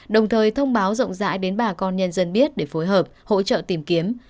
đồng thời thông báo rộng rãi đến bà con nhân dân biết để phối hợp hỗ trợ tìm kiếm